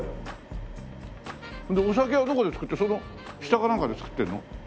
お酒はどこで造ってその下かなんかで造ってるの？